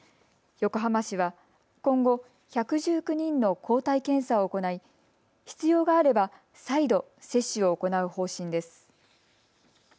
横浜市は今後、１１９人の抗体検査を行い必要があれば再度、接種を行う方針です。